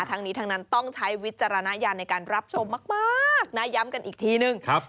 ทั้งนี้ทั้งนั้นต้องใช้วิจารณญาณในการรับชมมากนะย้ำกันอีกทีนึง